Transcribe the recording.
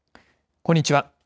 こんにちは。